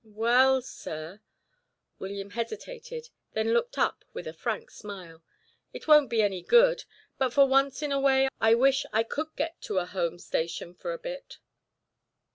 "Well, sir " William hesitated, then looked up with a frank smile "it won't be any good, but for once in a way I wish I could get to a home station for a bit."